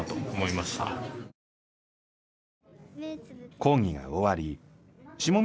講義が終わり下峰